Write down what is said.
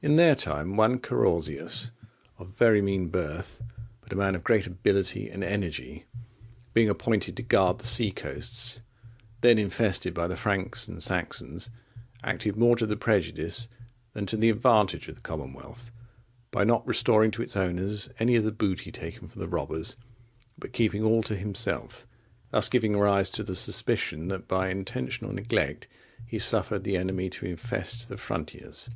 In their time, one Carausius,(47) of very mean birth, but a man of great ability and energy, being appointed to guard the sea coasts, then infested by the Franks and Saxons, acted more to the prejudice than to the advantage of the commonwealth, by not restoring to its owners any of the booty taken from the robbers, but keeping all to himself; thus giving rise to the suspicion that by intentional neglect he suffered the enemy to infest the frontiers.